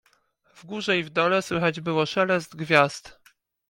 W górze i w dole słychać było szelest gwiazd.